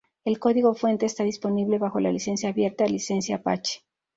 El código fuente está disponible bajo la licencia abierta licencia Apache.